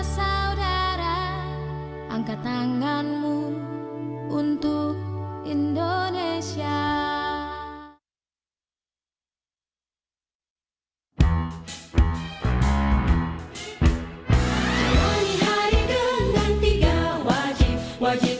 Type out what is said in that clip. saya troy pantau pamit undur diri dulu selamat siang bapak terima kasih bapak bapak ibu ibu